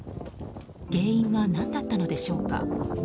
原因は何だったのでしょうか。